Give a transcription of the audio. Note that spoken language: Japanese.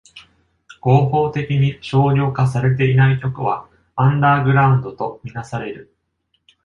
合法的に商業化されていない曲はアンダーグラウンドとみなされる。